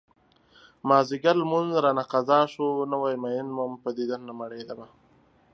مازديګر لمونځ رانه قضا شو نوی مين وم په دیدن نه مړيدمه